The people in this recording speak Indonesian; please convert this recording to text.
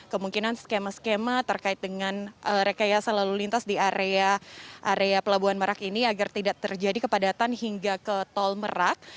kemungkinan skema skema terkait dengan rekayasa lalu lintas di area pelabuhan merak ini agar tidak terjadi kepadatan hingga ke tol merak